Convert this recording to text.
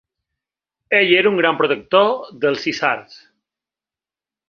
Ell era un gran protector dels isards.